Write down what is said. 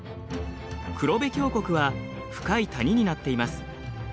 黒部峡谷は深い谷になっています。